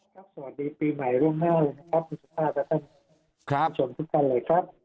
สวัสดีปีใหม่เรื่องหน้าเลยนะครับคุณผู้ชมทุกคนเลยครับ